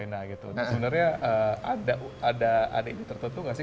sebenarnya ada ini tertentu nggak sih